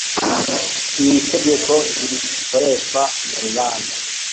Iri tegeko ntirikoreshwa mu rubanza.